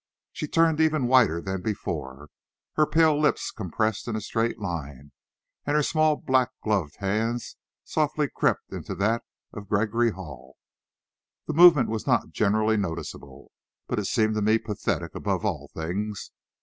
She turned even whiter than before, her pale lips compressed in a straight line, and her small black gloved hand softly crept into that of Gregory Hall. The movement was not generally noticeable, but it seemed to me pathetic above all things.